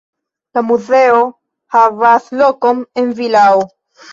La muzeo havas lokon en vilao.